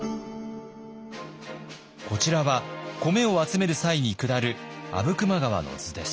こちらは米を集める際に下る阿武隈川の図です。